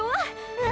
うん。